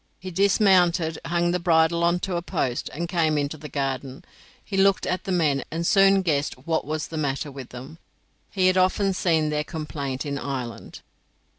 He dismounted, hung the bridle on to a post, and came into the garden. He looked at the men, and soon guessed what was the matter with them; he had often seen their complaint in Ireland.